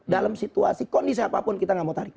dalam situasi kondisi apapun kita gak mau tarik